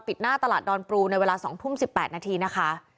หน้าตลาดดอนปรูในเวลา๒ทุ่ม๑๘นาทีนะคะ